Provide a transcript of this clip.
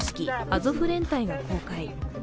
アゾフ連隊が公開。